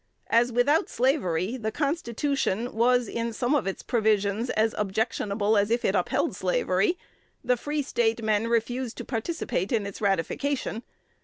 As without slavery the constitution was in some of its provisions as objectionable as if it upheld slavery, the Free State men refused to participate in its ratification.